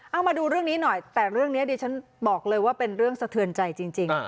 เอามาดูเรื่องนี้หน่อยแต่เรื่องนี้ดิฉันบอกเลยว่าเป็นเรื่องสะเทือนใจจริง